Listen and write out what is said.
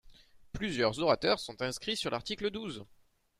Plusieurs orateurs sont inscrits sur l’article douze.